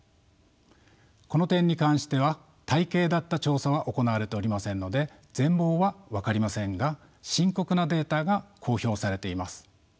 この点に関しては体系立った調査は行われておりませんので全貌は分かりませんが深刻なデータが公表されています。